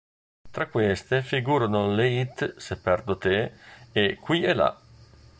Tra queste figurano le hit "Se perdo te" e "Qui e là".